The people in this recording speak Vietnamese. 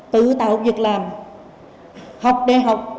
tự tạo việc làm học đe học